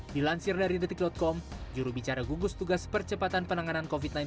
dilansir dari detik com jurubicara gugus tugas percepatan penanganan covid sembilan belas